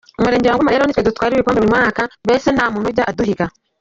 Umurenge wa Ngoma rero nitwe dutwara ibikombe buri mwaka, mbese ntamuntu ujya aduhiga”.